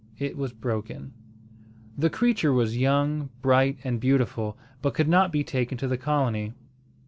It was broken. The creature was young, bright, and beautiful, but could not be taken to the Colony.